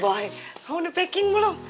wah kamu udah packing belum